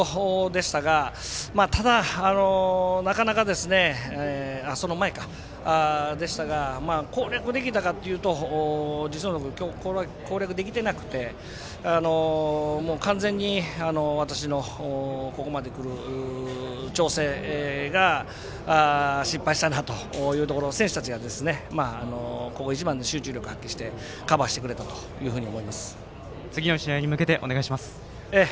クーリングタイムの前でしたが攻略できたかというと実のところ攻略できていなくて完全に、私のここまでの調整が失敗したなというところを選手たちがここ一番の集中力を発揮して次の試合に向けてお願いします。